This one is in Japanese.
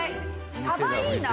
サバいいな。